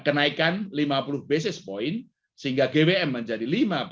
kenaikan lima puluh basis point sehingga gwm menjadi lima